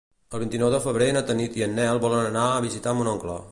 El vint-i-nou de febrer na Tanit i en Nel volen anar a visitar mon oncle.